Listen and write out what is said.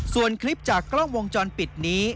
ส่วนคลิปจากกล้องวงจรปิดนี้